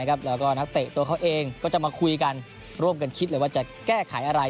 แล้วก็นักเตะตัวเขาเองก็จะมาคุยกันร่วมกันคิดเลยว่าจะแก้ไขอะไร